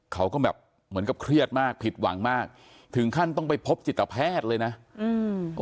เขาก็แบบเหมือนกับเครียดมากผิดหวังมากถึงขั้นต้องไปพบจิตแพทย์เลยนะอืม